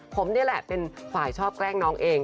ผมนี่แหละเป็นฝ่ายชอบแกล้งน้องเอง